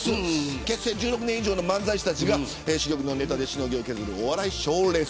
結成１６年以上の漫才師たちが主力のネタでしのぎを削るお笑い賞レース。